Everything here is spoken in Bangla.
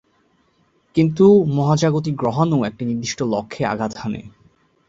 কিন্তু মহাজাগতিক গ্রহাণু একটি নির্দিষ্ট লক্ষ্যে আঘাত হানে।